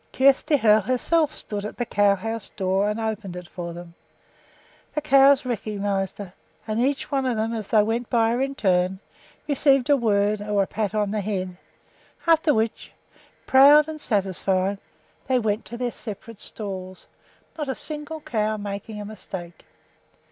Kjersti Hoel herself stood at the cow house door and opened it for them. The cows recognized her, and each one of them, as they went by her in turn, received a word or a pat on the head; after which, proud and satisfied, they went to their separate stalls, not a single cow making a mistake.